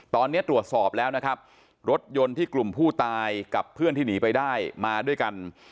ตอนนี้ตรวจสอบแล้วนะครับรถยนต์ที่กลุ่มผู้ตายกับเพื่อนที่หนีไปได้มาด้วยกัน